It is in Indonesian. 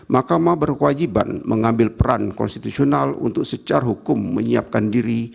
mahkamah berkewajiban mengambil peran konstitusional untuk secara hukum menyiapkan diri